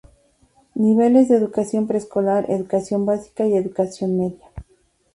Niveles de educación preescolar, educación básica y educación media.